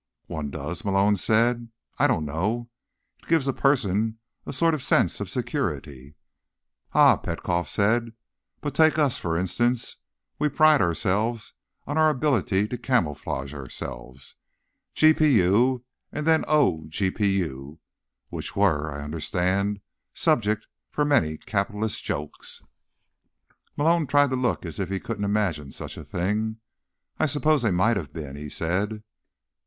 "One does?" Malone said. "I don't know. It gives a person a sort of sense of security." "Ah," Petkoff said. "But take us, for instance. We pride ourselves on our ability to camouflage ourselves. GPU, and then OGPU—which were, I understand, subject for many capitalist jokes." Malone tried to look as if he couldn't imagine such a thing. "I suppose they might have been," he said.